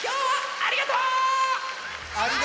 ありがとう！